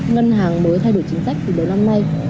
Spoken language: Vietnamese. ngân hàng mới thay đổi chính sách từ đầu năm nay